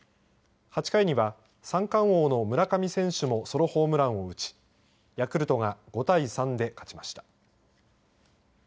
８回には三冠王の村上選手もソロホームランを打ちヤクルトが５対３で勝ちました。